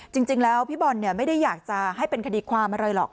จริงแล้วพี่บอลไม่ได้อยากจะให้เป็นคดีความอะไรหรอก